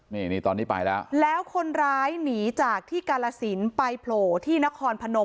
นี่นี่ตอนนี้ไปแล้วแล้วคนร้ายหนีจากที่กาลสินไปโผล่ที่นครพนม